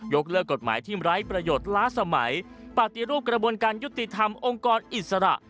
กเลิกกฎหมายที่ไร้ประโยชน์ล้าสมัยปฏิรูปกระบวนการยุติธรรมองค์กรอิสระ